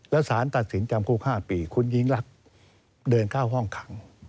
แล้วสารตัดสินจำคุก๕ปีคุณยิ่งลักษณ์เดินเข้าห้องขัง